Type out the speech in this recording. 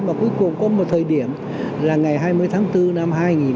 và cuối cùng có một thời điểm là ngày hai mươi tháng bốn năm hai nghìn hai mươi